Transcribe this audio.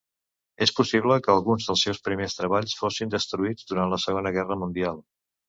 És possible que alguns dels seus primers treballs fossin destruïts durant la Segona Guerra Mundial.